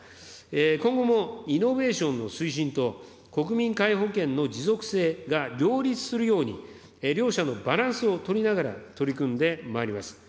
今後もイノベーションの推進と、国民皆保険の持続性が両立するように、両者のバランスを取りながら、取り組んでまいります。